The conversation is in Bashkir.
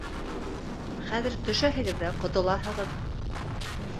Хәҙер төшәһегеҙ ҙә ҡотолаһығыҙ!